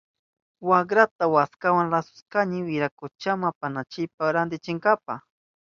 Wakrata waskawa lasushkanchi wirakuchama apananchipa rantichinanchipa.